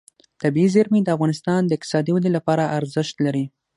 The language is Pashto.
طبیعي زیرمې د افغانستان د اقتصادي ودې لپاره ارزښت لري.